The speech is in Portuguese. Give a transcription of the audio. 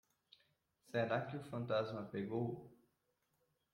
Será que o fantasma pegou?